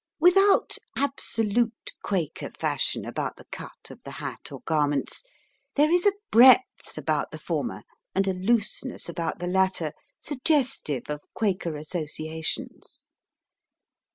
Without absolute Quaker fashion about the cut of the hat or garments, there is a breadth about the former and a looseness about the latter suggestive of Quaker associations.